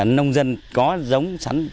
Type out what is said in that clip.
nông dân có giống sắn